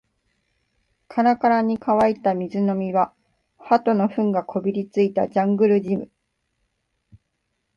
カラカラに乾いた水飲み場、鳩の糞がこびりついたジャングルジム